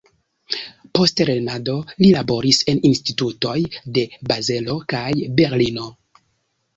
Post lernado li laboris en institutoj de Bazelo kaj Berlino.